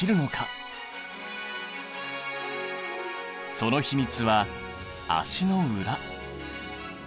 その秘密は足の裏。